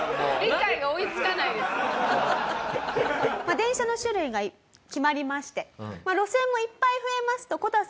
電車の種類が決まりまして路線もいっぱい増えますとこたさん